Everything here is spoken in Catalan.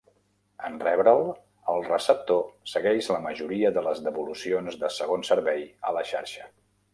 En rebre'l, el receptor segueix la majoria de les devolucions de segon servei a la xarxa.